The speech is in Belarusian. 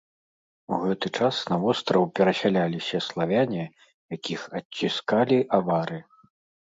У гэты час на востраў перасяляліся славяне, якіх адціскалі авары.